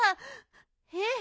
えっ？